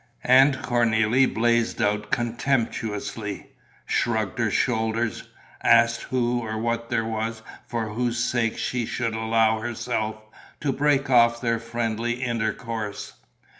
And Cornélie blazed out contemptuously, shrugged her shoulders, asked who or what there was for whose sake she should allow herself to break off their friendly intercourse.